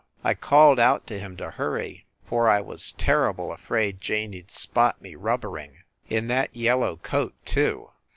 I called out to him to hurry, for I was terrible afraid Janey d spot me rubbering. In that yellow coat, too!